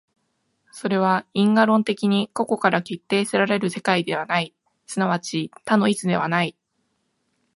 それは因果論的に過去から決定せられる世界ではない、即ち多の一ではない。